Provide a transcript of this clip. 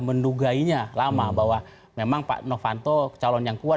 mendugainya lama bahwa memang pak novanto calon yang kuat